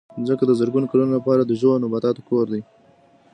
مځکه د زرګونو کلونو لپاره د ژوو او نباتاتو کور دی.